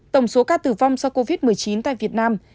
tổng số ca tử vong do covid một mươi chín tại việt nam